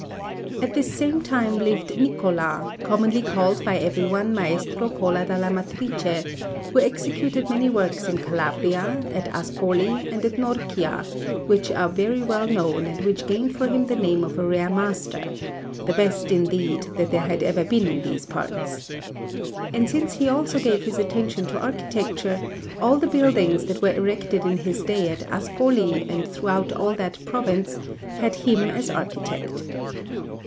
At this same time lived Niccola, commonly called by everyone Maestro Cola dalla Matrice, who executed many works in Calabria, at Ascoli, and at Norcia, which are very well known, and which gained for him the name of a rare master the best, indeed, that there had ever been in these parts. And since he also gave his attention to architecture, all the buildings that were erected in his day at Ascoli and throughout all that province had him as architect.